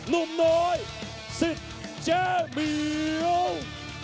นุ่มน้อยสิทธิ์แจ้มิว